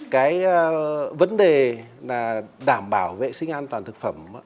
cái vấn đề là đảm bảo vệ sinh an toàn thực phẩm